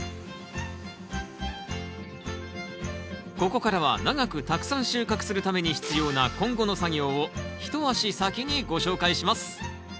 ここからは長くたくさん収穫するために必要な今後の作業を一足先にご紹介します